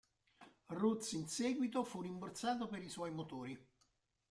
Rootes in seguito fu rimborsato per i suoi motori.